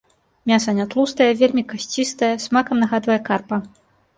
Мяса нятлустае, вельмі касцістае, смакам нагадвае карпа.